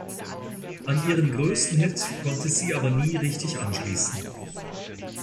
An ihren größten Hit konnte sie aber nie richtig anschließen.